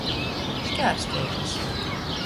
Škārsteikls.